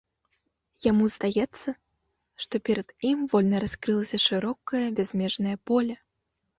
Яму здаецца, што перад ім вольна раскрылася шырокае бязмежнае поле.